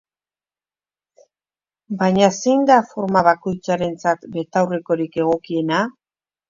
Baina zein da forma bakoitzarentzat betaurrekorik egokiena?